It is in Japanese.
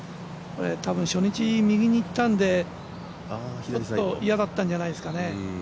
多分初日、右にいったのでちょっと嫌だったんじゃないですかね